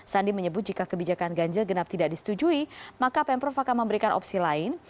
sandi menyebut jika kebijakan ganjil genap tidak disetujui maka pemprov akan memberikan opsi lain